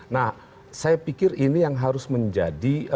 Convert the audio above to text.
nah saya pikir ini yang harus menjadi